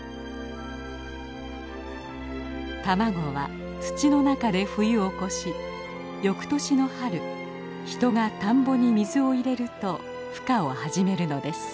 卵は土の中で冬を越し翌年の春人が田んぼに水を入れると孵化を始めるのです。